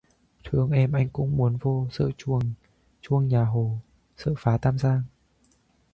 Thương em anh cũng muốn vô, sợ truông nhà Hồ, sợ phá Tam Giang